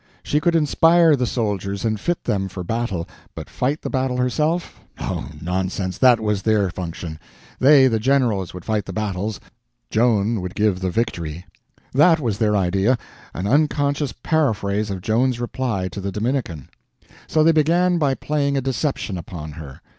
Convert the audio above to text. She could inspire the soldiers and fit them for battle—but fight the battle herself? Oh, nonsense—that was their function. They, the generals, would fight the battles, Joan would give the victory. That was their idea—an unconscious paraphrase of Joan's reply to the Dominican. So they began by playing a deception upon her.